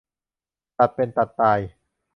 ตัดเป็นตัดตาย